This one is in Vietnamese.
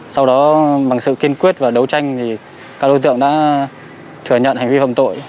sau đó bằng sự kiên quyết và đấu tranh thì các đối tượng đã thừa nhận hành vi phạm tội